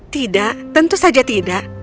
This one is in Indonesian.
tidak tentu saja tidak